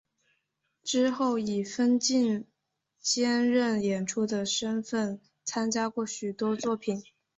之后以分镜兼任演出的身分参加过许多作品。